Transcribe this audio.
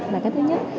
là cái thứ nhất